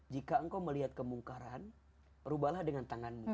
jika engkau melihat kemungkaran rubahlah dengan tanganmu